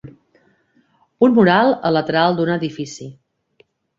Un mural al lateral d'un edifici.